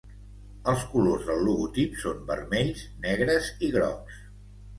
Els colors del logotip són vermells, negres i grocs.